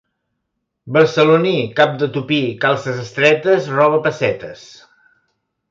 Barceloní, cap de tupí, calces estretes, roba pessetes.